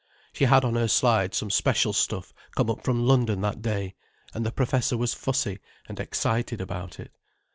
She had on her slide some special stuff come up from London that day, and the professor was fussy and excited about it.